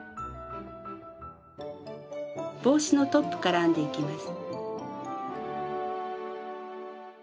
帽子のトップから編んでいきます。